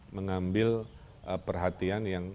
mengambil perhatian yang